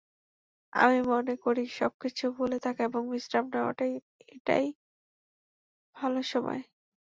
আমি মনে করি, সবকিছু ভুলে থাকা এবং বিশ্রাম নেওয়ার এটাই ভালো সময়।